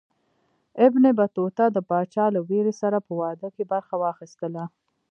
ابن بطوطه د پاچا له ورېرې سره په واده کې برخه واخیستله.